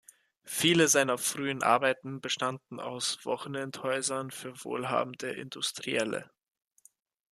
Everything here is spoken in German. Viele seiner frühen Arbeiten bestanden aus Wochenendhäusern für wohlhabende Industrielle.